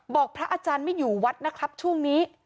พระอาจารย์ไม่อยู่วัดนะครับช่วงนี้